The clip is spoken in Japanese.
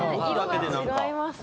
色が違いますね。